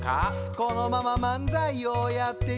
このまままんざいをやってゆくやるんかい？